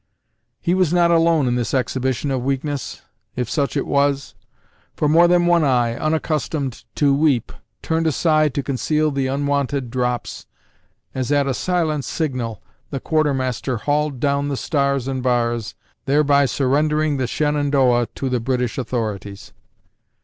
He was not alone in this exhibition of weakness, if such it was, for more than one eye, unaccustomed to weep, turned aside to conceal the unwonted drops, as at a silent signal, the quartermaster hauled down the Stars and Bars, thereby surrendering the Shenandoah to the British authorities.